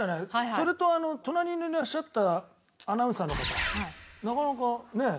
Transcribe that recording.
それと隣にいらっしゃったアナウンサーの方。